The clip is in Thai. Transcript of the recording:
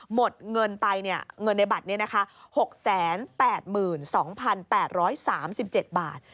หมดเงินไปเงินในบัตรนี้นะคะ๖๘๒๘๓๗บาท